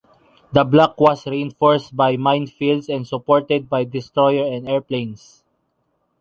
The block was reinforced by minefields and supported by destroyer and airplanes.